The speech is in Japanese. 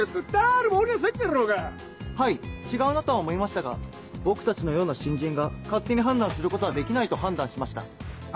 はい違うなとは思いましたが僕たちのような新人が勝手に判断することはできないと判断しました。